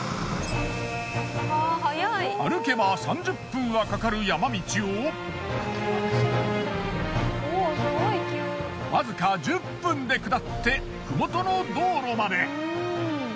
歩けば３０分はかかる山道をわずか１０分で下ってふもとの道路まで。